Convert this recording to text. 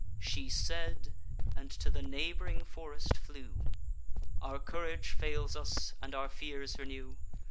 She said, and to the neighb'ring forest flew. Our courage fails us, and our fears renew.